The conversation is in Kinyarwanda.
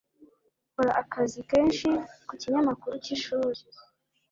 Nkora akazi kenshi ku kinyamakuru cy'ishuri.